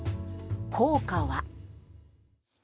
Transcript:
効果は？